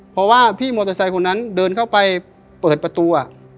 เพราะว่าพี่มอเตอร์ไซค์คนนั้นเดินเข้าไปเปิดประตู